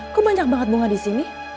kok banyak banget bunga disini